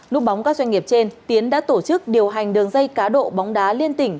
lúc bóng các doanh nghiệp trên tiến đã tổ chức điều hành đường dây cá độ bóng đá liên tỉnh